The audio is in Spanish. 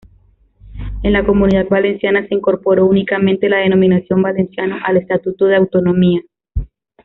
En la Comunidad Valenciana se incorporó únicamente la denominación "valenciano" al estatuto de autonomía.